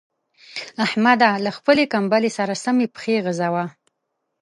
احمده! له خپلې کمبلې سره سمې پښې غځوه.